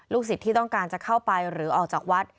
สิทธิ์ที่ต้องการจะเข้าไปหรือออกจากวัด